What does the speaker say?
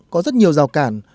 có rất nhiều rào cản